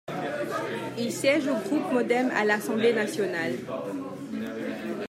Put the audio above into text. Il siège au groupe Modem à l'Assemblée nationale.